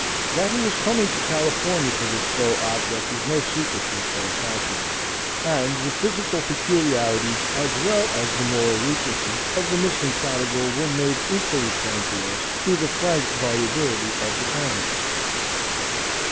That he was coming to California for this sole object was no secret to his fellow passengers; and the physical peculiarities, as well as the moral weaknesses, of the missing prodigal were made equally plain to us through the frank volubility of the parent.